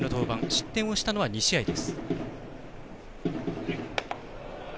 失点をしたのは２試合です。